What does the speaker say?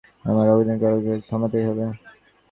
আমার অগ্নিসংযোগকারীকে থামাতেই হবে।